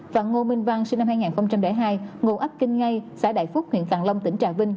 và ngô minh văn sinh năm hai nghìn hai ngô ấp kinh ngay xã đại phúc huyện càng long tỉnh trà vinh